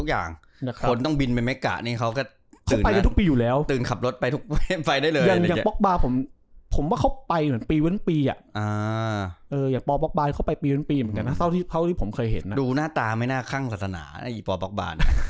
ก็คือศาสนาอสรามใช่ไหม